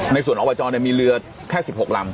ในส่วนอบจมีเรือแค่๑๖ลำ